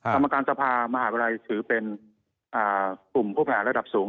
กรรมการสภามหาวิทยาลัยถือเป็นกลุ่มผู้บริหารระดับสูง